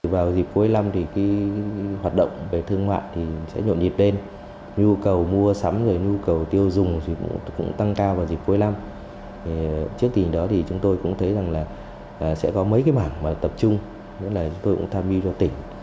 vào dịp cuối năm hoạt động về thương hoạn sẽ nhộn nhịp lên nhu cầu mua sắm nhu cầu tiêu dùng cũng tăng cao vào dịp cuối năm trước tình đó chúng tôi cũng thấy sẽ có mấy mảng tập trung chúng tôi cũng tham dự cho tỉnh